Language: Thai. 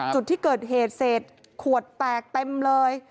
จุดที่เกิดเหตุเสร็จขวดแตกเต็มเลย